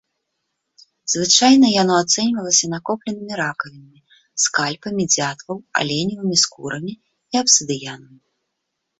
Звычайна яно ацэньвалася накопленымі ракавінамі, скальпамі дзятлаў, аленевымі скурамі і абсідыянам.